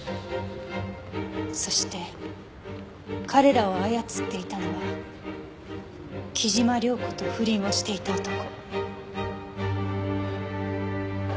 そして彼らを操っていたのは貴島涼子と不倫をしていた男。